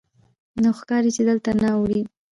نو ښکاري چې دلته نه اړوې.